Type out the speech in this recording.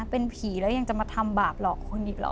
เป็นผีแล้วยังจะมาทำบาปหลอกคนอีกหรอ